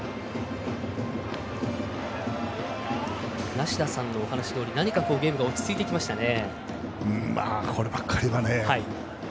梨田さんのお話どおりゲームが落ち着いてきましたね。